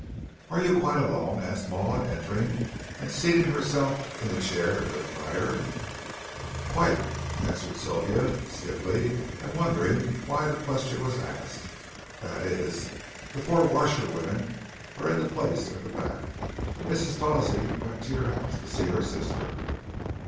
"Are you quite alone?" asked Maud, entering, and seating herself in the chair near the fire. "Quite," answered Sylvia, stiffly, and wondering why the question was asked; "that is, the four washerwomen are in the place at the back. But Mrs. Tawsey went to your house to see her sister."